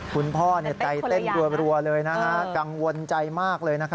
คุณพ่อแต้เต้นตัวเลยนะครับกังวลใจมากเลย